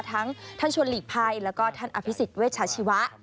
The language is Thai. ทั้งท่านชวนหลีกภัยแล้วก็ท่านอภิษฎเวชาชีวะ